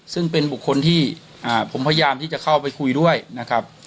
ซึ่งเป็นบุคคลที่ผมพยายามที่จะเข้าไปคุยด้วยนะครับ